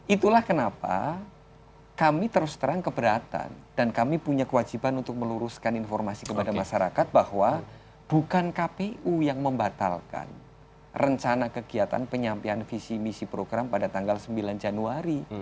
itulah kenapa kami terus terang keberatan dan kami punya kewajiban untuk meluruskan informasi kepada masyarakat bahwa bukan kpu yang membatalkan rencana kegiatan penyampaian visi misi program pada tanggal sembilan januari